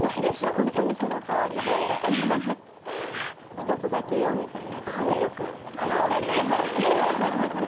本当にそのとおりで「１つだけよ」みたいな事がよくこの辺りで。